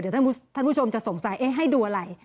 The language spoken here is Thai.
เดี๋ยวท่านผู้ชมจะสงสัยให้ดูอะไร